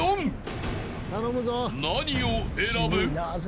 ［何を選ぶ？］